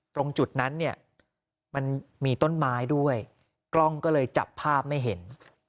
ตรงจุดนั้นเนี่ยมันมีต้นไม้ด้วยกล้องก็เลยจับภาพไม่เห็น